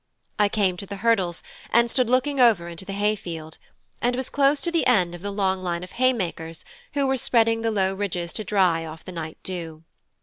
I came to the hurdles and stood looking over into the hay field, and was close to the end of the long line of haymakers who were spreading the low ridges to dry off the night dew.